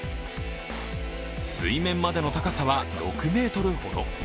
水面までの高さは６ｍほど。